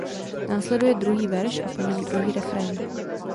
Následuje druhý verš a po něm druhý refrén.